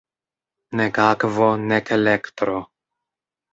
Nek akvo, nek elektro.